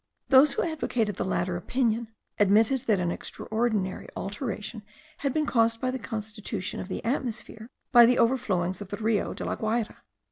Those who advocated the latter opinion, admitted that an extraordinary alteration had been caused in the constitution of the atmosphere by the overflowings of the Rio de La Guayra.